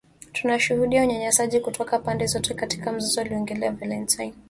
Tunashuhudia unyanyasaji kutoka pande zote katika mzozo aliongeza Valentine